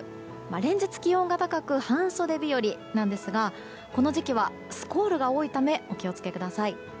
連日、気温が高く半袖日和なんですがこの時期はスコールが多いためお気を付けください。